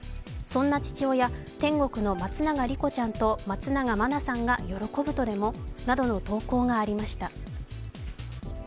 そんな父親、天国の松永莉子ちゃんと松永真菜さんが喜ぶとでも？などの投稿がありました。